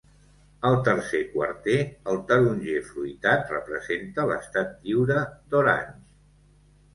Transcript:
Al tercer quarter, el taronger fruitat representa l'Estat Lliure d'Orange.